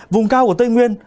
vùng cao của tây nguyên